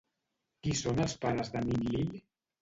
Qui són els pares de Ninlil?